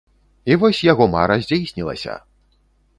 І вось яго мара здзейснілася!